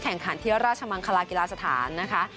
แข่งขันที่ราชมังคลากีฬาสถานนะคะ